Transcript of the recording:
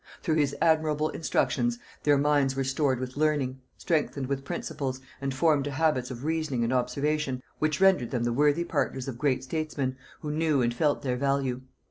Through his admirable instructions their minds were stored with learning, strengthened with principles, and formed to habits of reasoning and observation, which rendered them the worthy partners of great statesmen, who knew and felt their value.